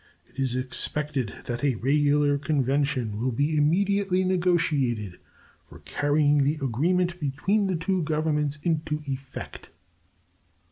It is expected that a regular convention will be immediately negotiated for carrying the agreement between the two Governments into effect.